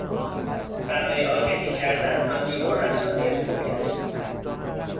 برای آگهی کردن رادیو رسانهی خوبی است.